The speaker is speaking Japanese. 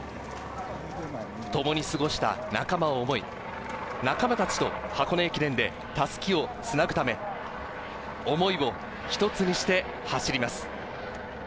ともに過ごした仲間を思い、仲間たちと箱根駅伝で襷をつなぐため、思いを一つにして走ります。